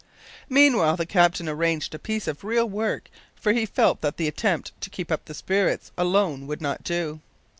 Meanwhile the captain arranged a piece of real work, for he felt that the attempt to keep up the spirits alone would not do.